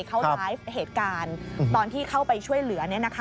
เขาไลฟ์เหตุการณ์ตอนที่เข้าไปช่วยเหลือ